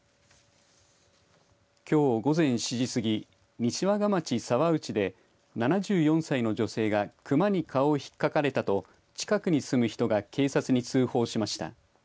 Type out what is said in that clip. きょう午前７時すぎ西和賀町沢内で７４歳の女性がクマに顔をひっかかれたと近くに住む人が警察に通報しました。